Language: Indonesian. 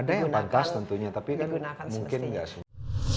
ada yang pantas tentunya tapi kan mungkin nggak sih